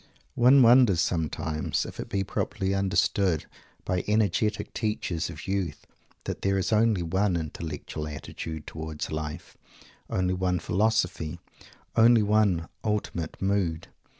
One wonders sometimes if it be properly understood by energetic teachers of youth that there is only one intellectual attitude towards life, only one philosophy, only one ultimate mood.